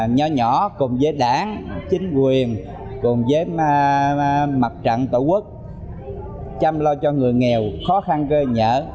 nhỏ nhỏ cùng với đảng chính quyền cùng với mặt trận tổ quốc chăm lo cho người nghèo khó khăn gơ nhở